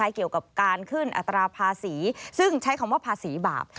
เกี่ยวกับการขึ้นอัตราภาษีซึ่งใช้คำว่าภาษีบาป